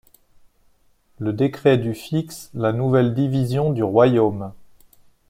Le décret du fixe la nouvelle division du royaume.